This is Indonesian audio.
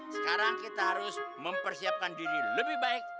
sekarang kita harus mempersiapkan diri lebih baik